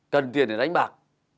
cần tiền để đánh bạc